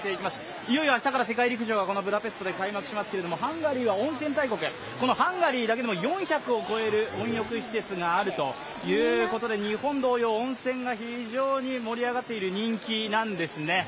いよいよ明日からこのブダペストで世界陸上が行われますけれどもこのハンガリーだけでも４００を超える混浴施設があるということで日本同様、温泉が非常に盛り上がっている、人気なんですね。